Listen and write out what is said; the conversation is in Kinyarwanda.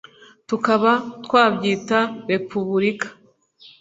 tukaba twabwita repubulika: